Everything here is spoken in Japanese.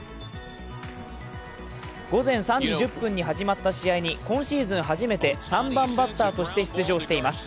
午前３時１０分に始まった試合に、今シーズン初めて３番バッターとして出場しています。